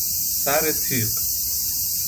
سر تیغ